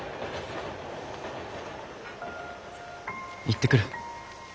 行ってくる。